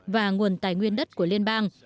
và nguồn tài nguyên đất của liên bang